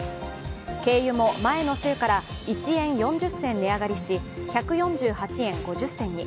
軽油も前の週から１円４０銭値上がりし１４８円５０銭に。